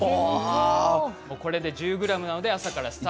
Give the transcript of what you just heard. これで１０ｇなので朝からスタート。